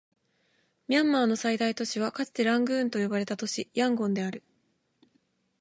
ミャンマーの最大都市はかつてラングーンと呼ばれた都市、ヤンゴンである